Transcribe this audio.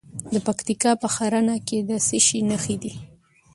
د پکتیکا په ښرنه کې د څه شي نښې دي؟